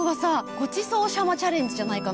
「ごちそう写まチャレンジ」じゃないかな。